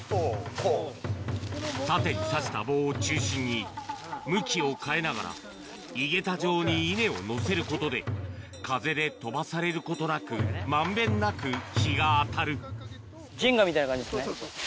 縦に刺した棒を中心に、向きを変えながら、井桁状に稲を載せることで、風で飛ばされることなく、まんべジェンガみたいな感じですね。